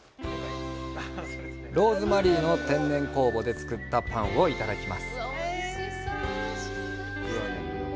ローズマリーの天然酵母で作ったパンをいただきます。